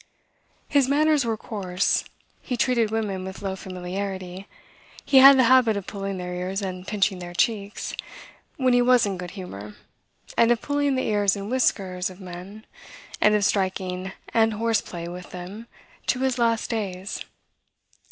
His manners were coarse. He treated women with low familiarity. He had the habit of pulling their ears and pinching their cheeks, when he was in good humor, and of pulling the ears and whiskers of men, and of striking and horse play with them, to his last days.